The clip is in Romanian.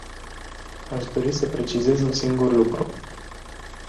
Aș dori să precizez un singur lucru.